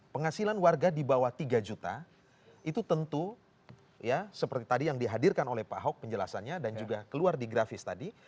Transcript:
penghasilan warga di bawah tiga juta itu tentu ya seperti tadi yang dihadirkan oleh pak ahok penjelasannya dan juga keluar di grafis tadi